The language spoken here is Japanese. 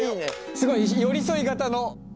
すごい寄り添い型の。